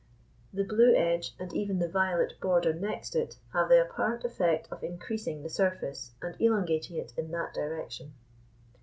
The blue edge and even the violet border next it have the apparent effect of increasing the surface, and elongating it in that direction.